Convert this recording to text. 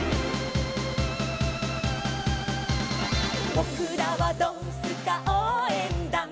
「ぼくらはドンスカおうえんだん」